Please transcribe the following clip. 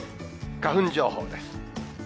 花粉情報です。